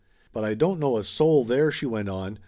"But I don't know a soul there," she went on.